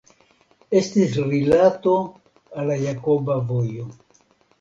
Estis rilato al la Jakoba Vojo.